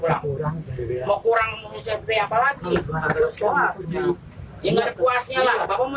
mau pulang mau mencari apa lagi